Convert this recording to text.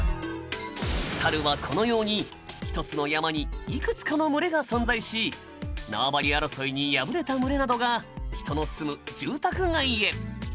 サルはこのように一つの山にいくつかの群れが存在し縄張り争いに敗れた群れなどが人の住む住宅街へ。